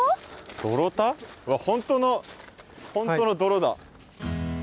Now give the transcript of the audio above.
本当の本当の泥だ。